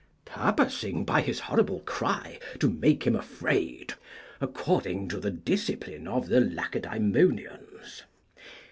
purposing by his horrible cry to make him afraid, according to the discipline of the Lacedaemonians.